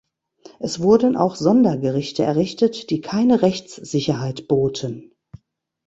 Es wurden auch „Sondergerichte“ errichtet, die keine Rechtssicherheit boten.